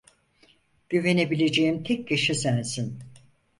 Güvenebileceğim tek kişi sensin.